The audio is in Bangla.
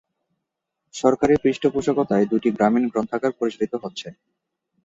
সরকারী পৃষ্ঠপোষকতায় দুটি গ্রামীণ গ্রন্থাগার পরিচালিত হচ্ছে।